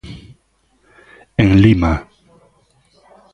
En Lima.